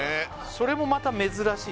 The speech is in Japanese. それもまた珍しいよね